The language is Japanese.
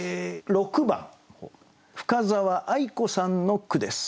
６番深沢愛子さんの句です。